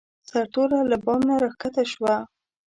سرتوره له بام نه راکښته شوه.